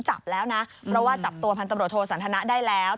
จับแล้วนะเพราะว่าจับตัวพันตำรวจโทสันทนะได้แล้ว